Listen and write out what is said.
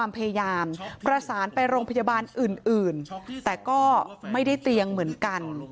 ไปโรงพยาบาลอื่นแต่ก็ไม่ได้เตียงเหมือนกัน